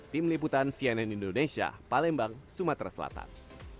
tim liputan cnn indonesia palembang sumatera selatan